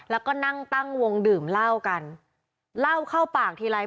แล้วก็นั่งตั้งวงดื่มเหล้ากันเล่าเข้าปากทีไร